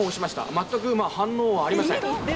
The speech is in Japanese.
全く反応はありません。